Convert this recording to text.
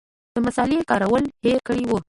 مصالې کارول هېر کړي وو.